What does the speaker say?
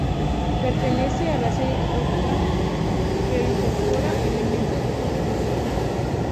Pertenece a la serie Rock Band pero incorpora elementos de juegos de Lego.